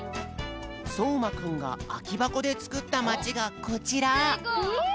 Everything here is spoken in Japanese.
そうまくんがあきばこでつくったまちがこちら！